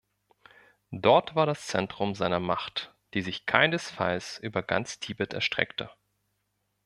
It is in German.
Dort war das Zentrum seiner Macht, die sich keinesfalls über ganz Tibet erstreckte.